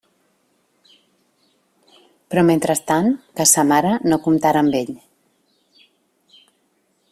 Però mentrestant, que sa mare no comptara amb ell.